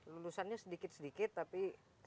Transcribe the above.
lulusannya sedikit sedikit tapi